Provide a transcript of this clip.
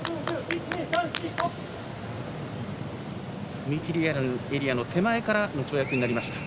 踏み切りエリアの手前からの跳躍となりました。